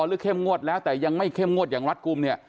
เข้มงวดแล้วแต่ยังไม่เข้มงวดอย่างรัฐกลุ่มเนี่ย